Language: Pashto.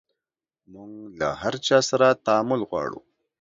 موژ له هر چا سره تعامل غواړو